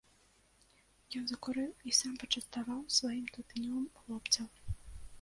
Ён закурыў і сам, пачаставаў сваім тытунём хлопцаў.